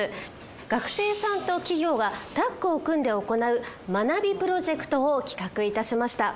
学生さんと企業がタッグを組んで行う学びプロジェクトを企画いたしました。